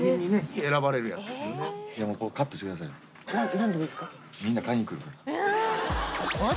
何でですか？